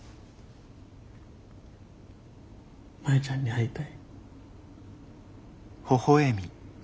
マヤちゃんに会いたい。